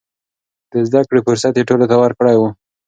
د زده کړې فرصت يې ټولو ته ورکړی و.